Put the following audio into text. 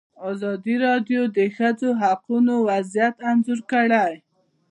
ازادي راډیو د د ښځو حقونه وضعیت انځور کړی.